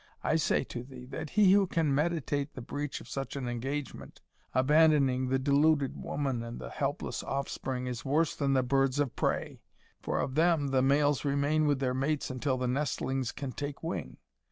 I say to thee, that he who can meditate the breach of such an engagement, abandoning the deluded woman and the helpless offspring, is worse than the birds of prey; for of them the males remain with their mates until the nestlings can take wing.